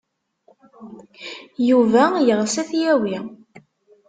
Yuba yeɣs ad t-yawi.